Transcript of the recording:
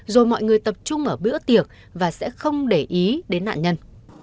rồi mọi người tập trung ở bữa tiệc và sẽ không để ý đến nạn nhân